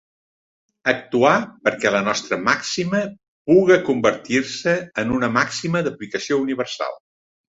Actuar perquè la nostra màxima puga convertir-se en una màxima d'aplicació universal.